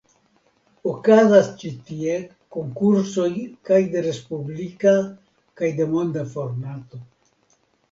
Okazas ĉi tie konkursoj kaj de respublika kaj de monda formato.